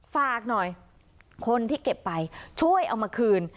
ฝากหน่อยคนที่เก็บไปช่วยเอามาคืน